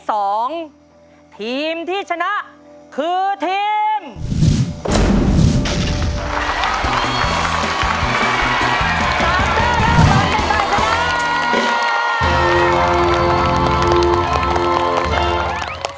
ตอนนี้มีคะแนนสะสมเพิ่มขึ้นมาเป็นสองคะแนน